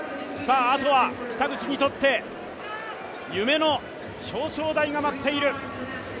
あとは北口にとって、夢の表彰台が待っている。